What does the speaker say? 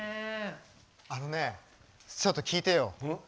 あのねちょっと聞いてよ。